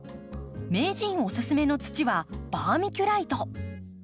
名人おすすめの土はバーミキュライト。